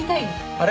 あれ？